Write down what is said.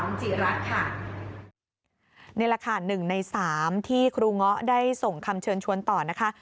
นี่แหละค่ะ๑ใน๓ที่ครูเงาะได้ส่งคำเชิญชวนต่อนะคะ